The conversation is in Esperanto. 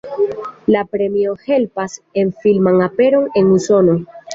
La premio helpas la filman aperon en Usono.